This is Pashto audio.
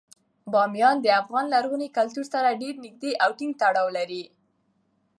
بامیان د افغان لرغوني کلتور سره ډیر نږدې او ټینګ تړاو لري.